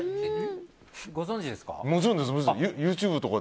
ご存知ですか？